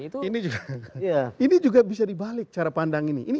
ini juga bisa dibalik cara pandang ini